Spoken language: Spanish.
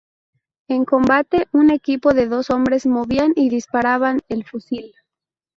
En combate, un equipo de dos hombres movían y disparaban el fusil.